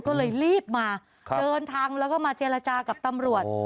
ก็เลยรีบมาเดินทางแล้วก็มาเจรจากับตำรวจ